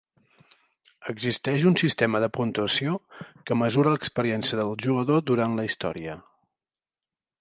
Existeix un sistema de puntuació que mesura l'experiència del jugador durant la història.